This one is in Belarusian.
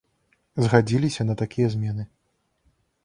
Згадзіліся на такія змены.